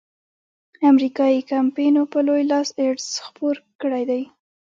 امریکایي کمپینو په لوی لاس ایډز خپور کړیدی.